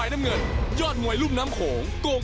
ยอดทุกคน